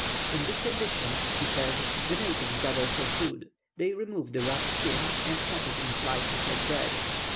"In this condition," he says, "the natives gather it for food. They remove the rough skin, and cut it in slices like bread.